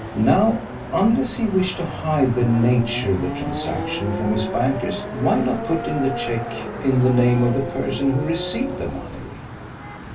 Now, unless he wished to hide the nature of the transaction from his bankers, why not put in the cheque in the name of the person who received the money?